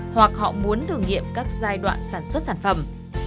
hoặc họ muốn thử nghiệm các giai đoạn sản xuất sản phẩm